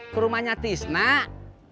ke rumahnya tisnak